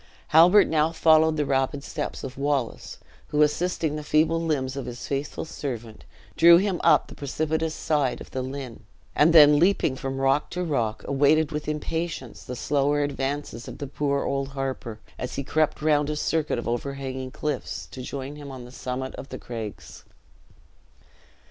Halbert now followed the rapid steps of Wallace, who, assisting the feeble limbs of his faithful servant, drew him up the precipitous side of the Lynn, and then leaping from rock to rock, awaited with impatience the slower advances of the poor old harper, as he crept round a circuit of overhanging cliffs, to join him on the summit of the craigs.